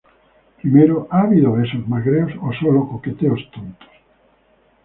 primero, ¿ ha habido besos, magreos o solo coqueteos tontos?